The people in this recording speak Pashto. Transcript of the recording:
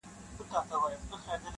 د حق ناره مي کړې ځانته غرغړې لټوم,